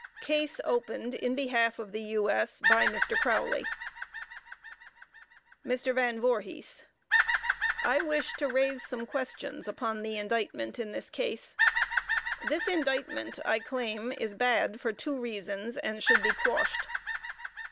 Case opened in behalf of the U.S. by Mr. Crowley. MR. VAN VOORHIS: I wish to raise some questions upon the indictment in this case. This indictment, I claim, is bad for two reasons, and should be quashed.